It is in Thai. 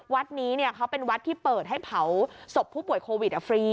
วัดนี้เขาเป็นวัดที่เปิดให้เผาศพผู้ป่วยโควิดฟรี